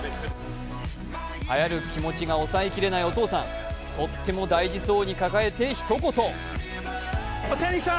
はやる気持ちが抑えきれないお父さん、とっても大事そうに抱えて一言。